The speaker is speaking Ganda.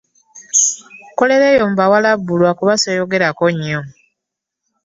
Nkolera eyo mu bawalabu lwakuba sseeyogerako nnyo.